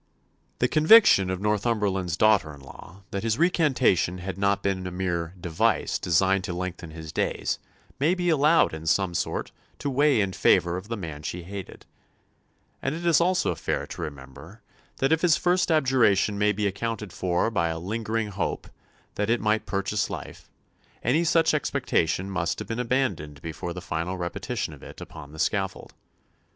'" The conviction of Northumberland's daughter in law that his recantation had not been a mere device designed to lengthen his days may be allowed in some sort to weigh in favour of the man she hated; and it is also fair to remember that if his first abjuration may be accounted for by a lingering hope that it might purchase life, any such expectation must have been abandoned before the final repetition of it upon the scaffold.